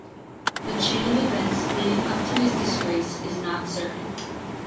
The chain of events leading up to his disgrace is not certain.